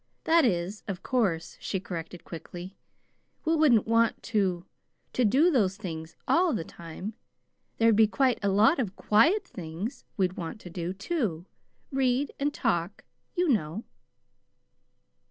"That is, of course," she corrected quickly, "we wouldn't want to to do those things all the time. There'd be a lot of QUIET things we'd want to do, too read and talk, you know."